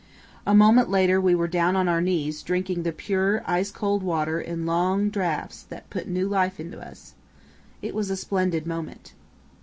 A moment later we were down on our knees drinking the pure, ice cold water in long draughts that put new life into us. It was a splendid moment.